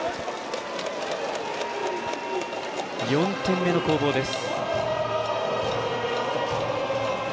４点目の攻防です。